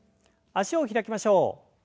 脚を開きましょう。